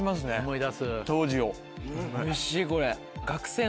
おいしいこれ。